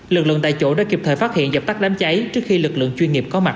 lực lượng tại chỗ đã kịp thời phát hiện dập tắt đám cháy trước khi lực lượng chuyên nghiệp có mặt